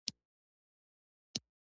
ته تر زمري بدتر یې.